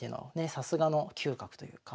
さすがの嗅覚というか。